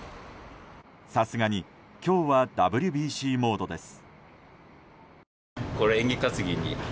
さすがに今日はＷＢＣモードです。